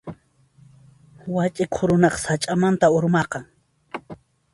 Wach'iyuq runaqa sach'amanta urmaqan.